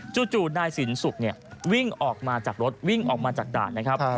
จู่นายสินสุกวิ่งออกมาจากรถวิ่งออกมาจากด่านนะครับ